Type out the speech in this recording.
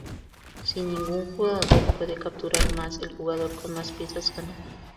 Si ningún jugador puede capturar más, el jugador con más piezas gana.